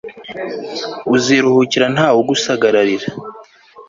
uziruhukira nta we ugusagarira